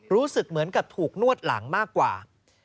รู้สึกเหมือนกับถูกนวดหลังมากกว่า